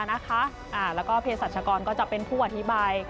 แล้วก็เพศรัชกรก็จะเป็นผู้อธิบาย